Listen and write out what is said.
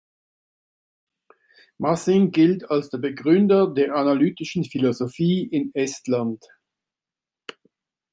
Masing gilt als der Begründer der analytischen Philosophie in Estland.